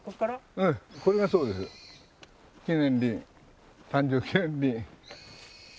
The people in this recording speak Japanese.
これがそうです記念林。